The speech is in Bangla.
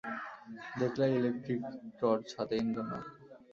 দেখলে ইলেকট্রিক টর্চ হাতে ইন্দ্রনাথ।